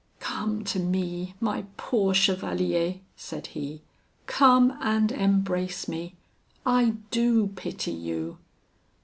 "'Come to me, my poor chevalier,' said he; 'come and embrace me. I do pity you!'